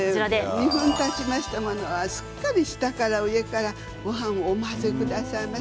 ２分たちましたものはしっかり下から上からごはんをお混ぜくださいませ。